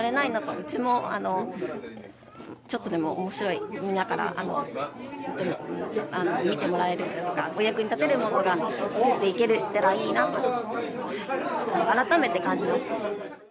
うちもちょっとでも面白いみんなから見てもらえるだとかお役に立てるものが作っていけたらいいなと改めて感じました。